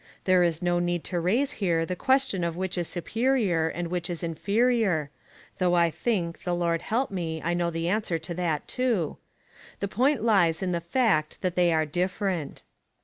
There is no need to raise here the question of which is superior and which is inferior (though I think, the Lord help me, I know the answer to that too). The point lies in the fact that they are different.